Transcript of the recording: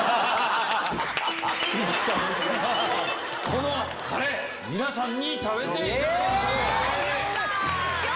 このカレー皆さんに食べていただきましょう。